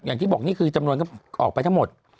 อย่างที่บอกนี่คือจำนวนก็ออกไปทั้งหมด